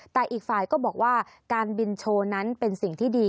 แต่อีกฝ่ายก็บอกว่าการบินโชว์นั้นเป็นสิ่งที่ดี